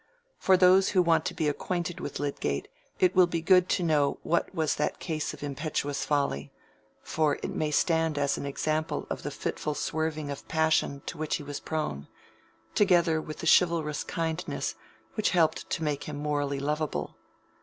For those who want to be acquainted with Lydgate it will be good to know what was that case of impetuous folly, for it may stand as an example of the fitful swerving of passion to which he was prone, together with the chivalrous kindness which helped to make him morally lovable.